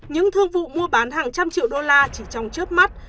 những thương vụ mua bán hàng trăm triệu đô la chỉ trong trước mắt